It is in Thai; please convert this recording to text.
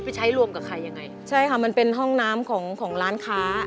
ไปใช้รวมกับใครยังไง